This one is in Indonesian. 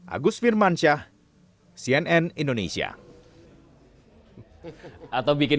agus firman syah cnn indonesia